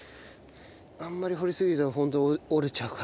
あんまり掘りすぎるとホント折れちゃうから。